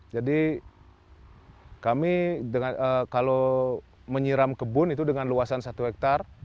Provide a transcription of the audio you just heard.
jadi kami kalau menyiram kebun itu dengan luasan satu hektar